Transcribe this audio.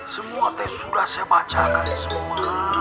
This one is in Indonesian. semua tes sudah saya bacakan semua